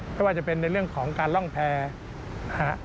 ไม่ว่าจะเป็นในเรื่องของการล่องแพร่นะฮะ